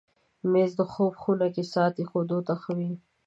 مېز د خوب خونه کې ساعت ایښودو ته ښه وي.